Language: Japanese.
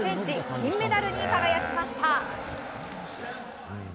金メダルに輝きました。